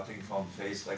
mulai dari rekuperasi wajah